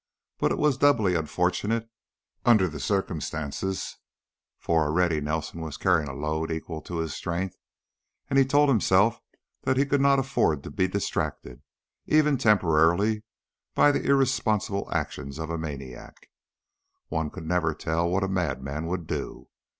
But it was doubly unfortunate under the circumstances, for already Nelson was carrying a load equal to his strength, and he told himself that he could not afford to be distracted, even temporarily, by the irresponsible actions of a maniac. One never could tell what a madman would do.